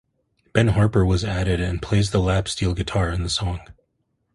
Ben Harper was added and plays the lap steel guitar in the song.